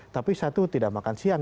tapi satu tidak makan siang